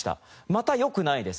また良くないです。